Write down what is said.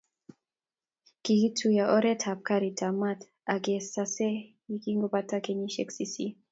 kikituiyo oret ab garit ab maat ak Kasese yekingopata kenyishek sisit